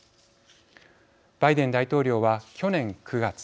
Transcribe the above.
バイデン大統領は去年９月。